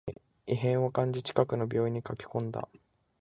異変を感じ、近くの病院に駆けこんだ